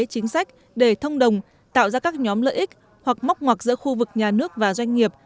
chính sách để thông đồng tạo ra các nhóm lợi ích hoặc móc ngoặc giữa khu vực nhà nước và doanh nghiệp